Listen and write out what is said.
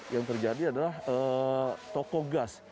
yang terjadi adalah toko gas